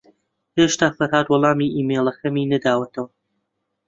ھێشتا فەرھاد وەڵامی ئیمەیلەکەمی نەداوەتەوە.